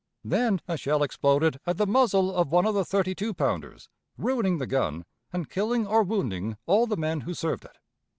Then a shell exploded at the muzzle of one of the thirty two pounders, ruining the gun, and killing or wounding all the men who served it.